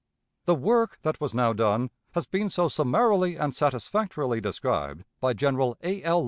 The work that was now done has been so summarily and satisfactorily described by General A. L.